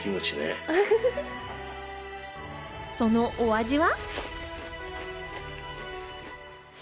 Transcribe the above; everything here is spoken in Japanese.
そのお味は。